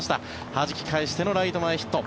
はじき返してのライト前ヒット。